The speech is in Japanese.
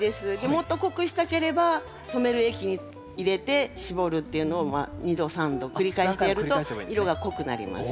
もっと濃くしたければ染める液入れてしぼるっていうのを２度３度繰り返してやると色が濃くなります。